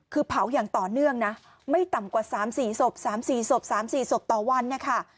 คือเผาอย่างต่อเนื่องนะไม่ต่ำกว่า๓๔ศพ๓๔ศพ๓๔ศพต่อวันเนี่ยค่ะ